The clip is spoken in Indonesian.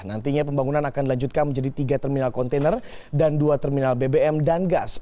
nantinya pembangunan akan dilanjutkan menjadi tiga terminal kontainer dan dua terminal bbm dan gas